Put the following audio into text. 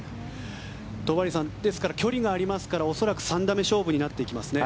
戸張さんですから距離がありますから恐らく３打目勝負になっていきますね。